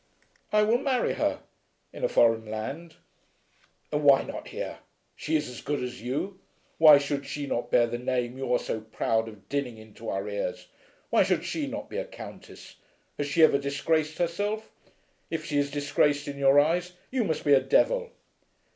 "I will marry her, in a foreign land." "And why not here? She is as good as you. Why should she not bear the name you are so proud of dinning into our ears? Why should she not be a Countess? Has she ever disgraced herself? If she is disgraced in your eyes you must be a Devil."